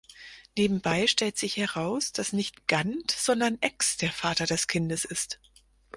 Nebenbei stellt sich heraus, dass nicht Gant, sondern Ecks der Vater des Kindes ist.